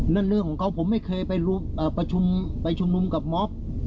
เรื่องของเขาผมไม่เคยไปประชุมไปชุมนุมกับมอบ